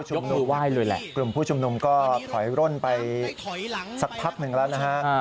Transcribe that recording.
ตอนนี้กลุ่มผู้ฉุมหนุ่มก็ถอยร่นไปสักพักหนึ่งแล้วนะฮะ